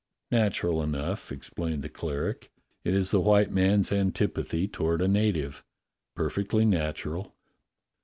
"Natural enough," explained the cleric. "It is the white man's antipathy toward a native. Perfectly nat ural."